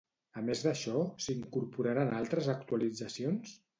A més d'això, s'incorporaran altres actualitzacions?